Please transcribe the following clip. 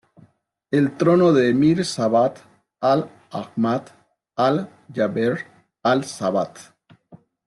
El trono de Emir Sabah Al-Ahmad Al-Jaber Al-Sabah.